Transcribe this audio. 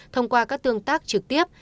thông qua các tương tác trực tiếp